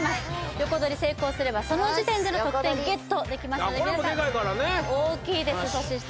横取り成功すればその時点での得点ゲットできますのでこれもデカいからね